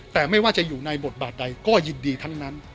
แต่ไม่ว่าจะอยู่ในบทบาทใดก็ยินดีทั้งนั้น